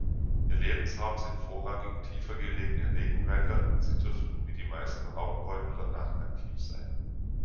Ihr Lebensraum sind vorrangig tiefergelegene Regenwälder, sie dürften wie die meisten Raubbeutler nachtaktiv sein.